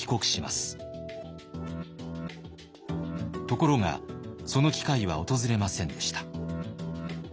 ところがその機会は訪れませんでした。